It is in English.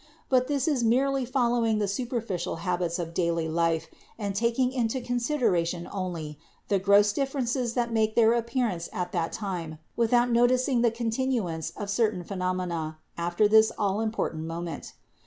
But this is merely following the superficial habits of daily life and taking into consideration only the gross differences that make their appearance at that time, without noticing the con tinuance of certain phenomena after this all important moment.